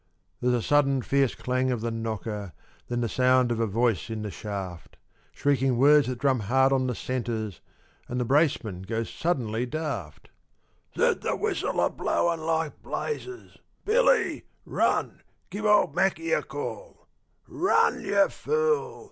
_) There's a sudden, fierce clang of the knocker, then the sound of a voice in the shaft, Shrieking words that drum hard on the centres, and the braceman goes suddenly daft; "Set the whistle a blowing like blazes! Billy, run, give old Mackie a call Run, you fool!